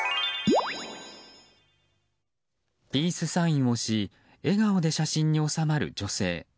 ピースサインをし笑顔で写真に納まる女性。